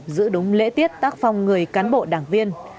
giữ đúng lễ tiết tác phong người cán bộ đảng viên